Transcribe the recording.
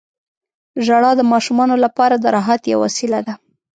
• ژړا د ماشومانو لپاره د راحت یوه وسیله ده.